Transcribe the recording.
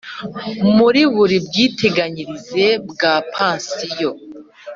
Muri buri bwiteganyirize bwa pansiyo